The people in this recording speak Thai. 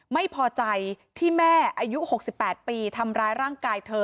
ไม่พอใจที่แม่อายุ๖๘ปีทำร้ายร่างกายเธอ